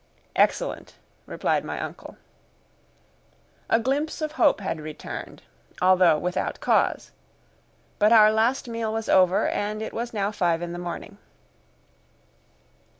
"Excellent," replied my uncle. A glimpse of hope had returned, although without cause. But our last meal was over, and it was now five in the morning.